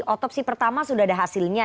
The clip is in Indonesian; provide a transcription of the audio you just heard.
otopsi pertama sudah ada hasilnya